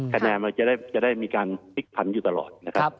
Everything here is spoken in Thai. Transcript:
แข่งขันจะได้มีการพลิกขันอยู่ตลอด